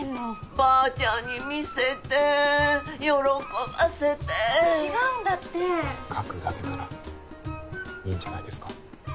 ばあちゃんに見せて喜ばせて違うんだって書くだけならいいんじゃないですか？